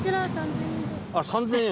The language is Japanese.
あっ３０００円？